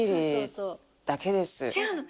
違うの。